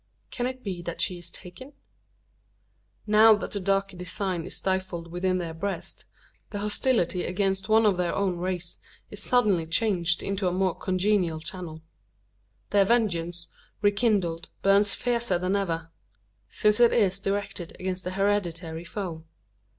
Can it be that she is taken? Now that the darker design is stifled within their breasts, the hostility against one of their own race is suddenly changed into a more congenial channel. Their vengeance, rekindled, burns fiercer than ever since it is directed against the hereditary foe.